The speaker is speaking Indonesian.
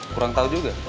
kurang tau juga